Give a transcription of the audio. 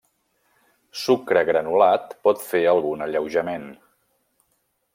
Sucre granulat pot fer algun alleujament.